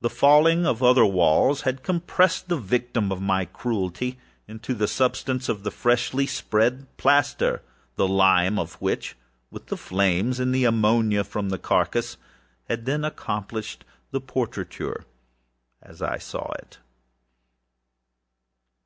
The falling of other walls had compressed the victim of my cruelty into the substance of the freshly spread plaster; the lime of which, with the flames, and the ammonia from the carcass, had then accomplished the portraiture as I saw it.